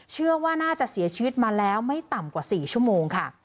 เชื่อว่าน่าจะเสียชีวิตมาแล้วไม่ต่ำกว่า๔ชั่วโมงค่ะ